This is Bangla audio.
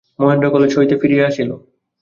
মহেন্দ্র কালেজ হইতে ফিরিয়া আসিল।